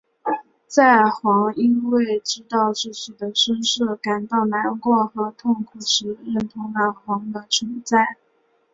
在煌因为知道自己的身世感到难过和痛苦时认同了煌的存在。